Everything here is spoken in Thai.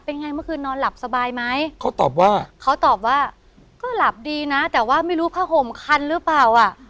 ไงเมื่อคืนนอนหลับสบายไหมเขาตอบว่าเขาตอบว่าก็หลับดีนะแต่ว่าไม่รู้ผ้าห่มคันหรือเปล่าอ่ะ